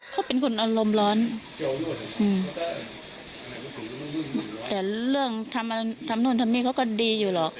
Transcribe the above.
เขาเป็นคนอารมณ์ร้อนอืมแต่เรื่องทำนู่นทำนี่เขาก็ดีอยู่หรอก